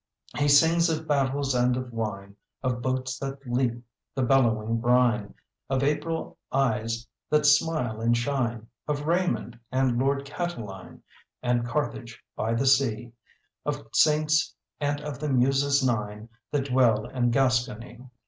He sings of battles and of wine, Of boats that leap the bellowing brine, Of April eyes that smile and shine, Of Raymond and Lord Catiline And Carthage by the sea, Of saints, and of the Muses Nine That dwell in Gascony.